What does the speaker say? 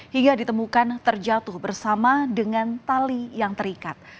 hingga ditemukan terjatuh bersama dengan tali yang terikat